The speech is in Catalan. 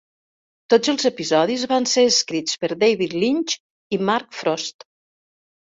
Tots els episodis van ser escrits per David Lynch i Mark Frost.